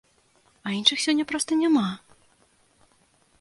А іншых сёння проста няма!